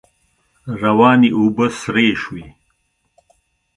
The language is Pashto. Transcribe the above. روانې اوبه سرې شوې.